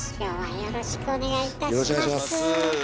よろしくお願いします。